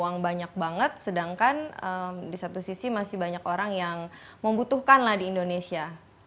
karena kita buang banyak banget sedangkan di satu sisi masih banyak orang yang membutuhkan lah di indonesia